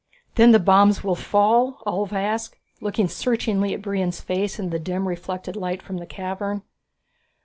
"Then the bombs will fall?" Ulv asked, looking searchingly at Brion's face in the dim reflected light from the cavern.